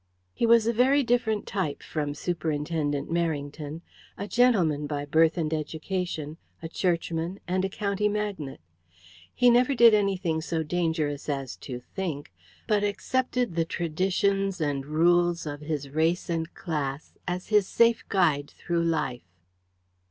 He was a very different type from Superintendent Merrington a gentleman by birth and education, a churchman, and a county magnate. He never did anything so dangerous as to think, but accepted the traditions and rules of his race and class as his safe guide through life.